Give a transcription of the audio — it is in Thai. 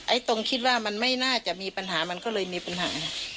ตรงคิดว่ามันไม่น่าจะมีปัญหามันก็เลยมีปัญหา